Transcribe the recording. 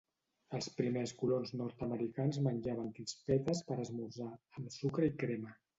Els primers colons nord-americans menjaven crispetes per a esmorzar, amb sucre i crema.